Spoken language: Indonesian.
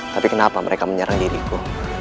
tapi kenapa mereka menyerang diriku